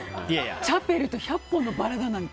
チャペルと１００本のバラって。